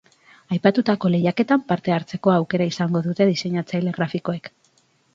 Aipatutako lehiaketan parte hartzeko aukera izango dute diseinatzaile grafikoek.